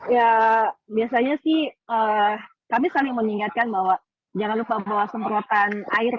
ya biasanya sih kami saling mengingatkan bahwa jangan lupa bawa semprotan air